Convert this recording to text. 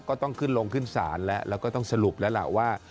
ก็ต้องขึ้นลงขึ้นศาลแล้วแล้วก็ต้องสรุปแล้วล่ะว่า